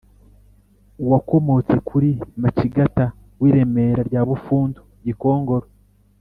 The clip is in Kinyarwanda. wakomotse kuri macigata w' i remera rya bufundu gikongoro .